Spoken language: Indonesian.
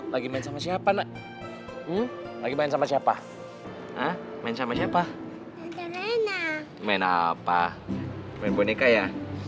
lagi main sama siapa nak lagi main sama siapa main sama siapa neneknya main apa main boneka ya